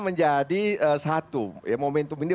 menjadi satu ya momentum ini